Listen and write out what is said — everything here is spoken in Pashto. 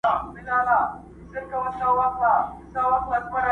دا کيسه د فکر سيوری دی تل،